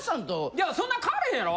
いやそんな変われへんやろ？